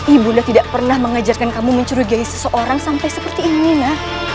ibunda tidak pernah mengajarkan kamu mencurigai seseorang sampai seperti ini nak